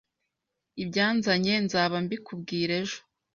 ibyanzanye nzaba mbikubwira ejo